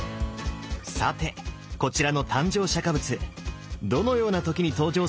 さてこちらの誕生釈仏どのような時に登場するか分かりますか？